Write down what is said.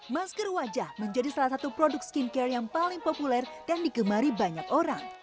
masker wajah menjadi salah satu produk skincare yang paling populer dan digemari banyak orang